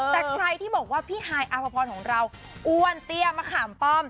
แต่ใครที่บอกว่าพี่ฮายอาภพรของเราอ้วนเตี้ยมะขามป้อม